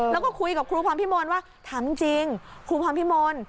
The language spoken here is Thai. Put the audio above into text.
แล้วก็คุยกับครูพรพิมลว่าถามจริงครูพรพิมล